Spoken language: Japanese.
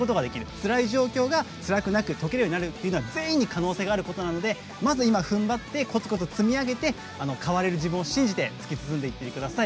つらい状況がつらくなく解けるようになるというのは全員に可能性があることなのでまず今、踏ん張ってこつこつ積み上げて変われる自分を信じて突き進んでいってください。